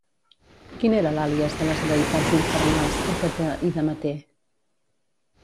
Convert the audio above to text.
Quin era l'àlies de les deïtats infernals Hècate i Demeter?